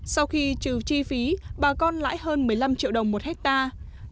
sau khi trừ chi phí bà con lãi hơn một mươi năm triệu đồng một hectare